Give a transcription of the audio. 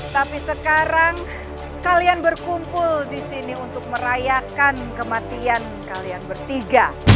tapi sekarang kalian berkumpul di sini untuk merayakan kematian kalian bertiga